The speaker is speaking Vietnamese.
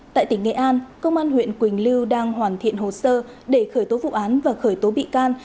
tại tỉnh nghệ an công an huyện quỳnh lưu đang hoàn thiện hồ sơ để khởi tố vụ án và khởi tố bị can